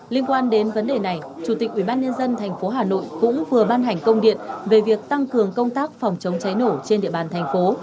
liên quan đến vấn đề này chủ tịch ubnd tp hà nội cũng vừa ban hành công điện về việc tăng cường công tác phòng chống cháy nổ trên địa bàn thành phố